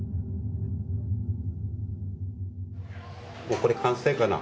もうこれ完成かな？